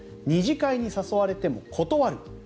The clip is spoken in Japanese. ２次会に誘われても断る。